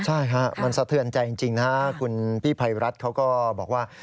ใช่ฮะมันสะเทือนใจจริงนะคุณพี่ภัยรัฐเขาก็บอกว่า